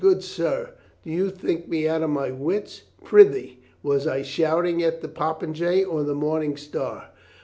"Good sir, do you think me out of my wits ? Prithee, was I shoot ing at the popinjay or the morning star?"